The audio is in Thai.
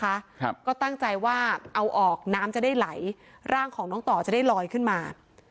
ครับก็ตั้งใจว่าเอาออกน้ำจะได้ไหลร่างของน้องต่อจะได้ลอยขึ้นมา